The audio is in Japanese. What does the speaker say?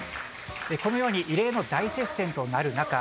このように異例の大接戦となる中